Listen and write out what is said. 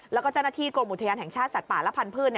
แล้วก็เจ้าหน้าที่กรมอุทยานแห่งชาติสัตว์ป่าและพันธุ์